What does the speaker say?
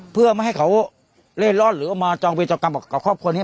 เพื่อไม่ให้เขาเล่ร่อนหรือเอามาจองเวจองกรรมกับครอบครัวนี้